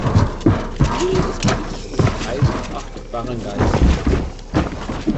Biri ist politisch unterteilt in acht Baranggays.